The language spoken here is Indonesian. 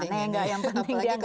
yang penting dia gak ini